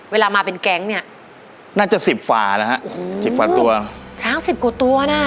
เวลามาเป็นแก๊งเนี่ยน่าจะ๑๐ฝาแล้วนะฮะ๑๐ฝาตัวช้าง๑๐กว่าตัวนะ